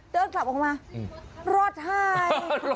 เดินกลับออกมารอดให้